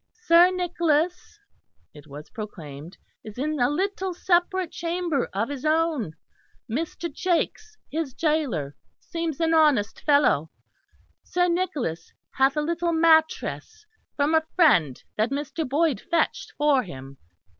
"Sir Nicholas," it was proclaimed, "is in a little separate chamber of his own. Mr. Jakes, his gaoler, seems an honest fellow. Sir Nicholas hath a little mattress from a friend that Mr. Boyd fetched for him.